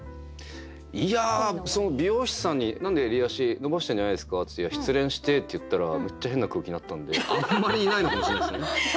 いや美容師さんに「何で襟足伸ばしてるんじゃないですか？」って「失恋して」って言ったらめっちゃ変な空気になったんであんまりいないのかもしれないですよね。